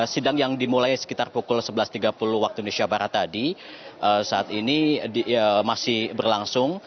sidang yang dimulai sekitar pukul sebelas tiga puluh waktu indonesia barat tadi saat ini masih berlangsung